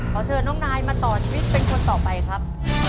ขอเชิญน้องนายมาต่อชีวิตเป็นคนต่อไปครับ